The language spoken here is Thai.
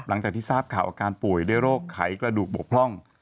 หลังจากที่ทราบข่าวอาการป่วยด้วยโรคไขกระดูกบกพร่อง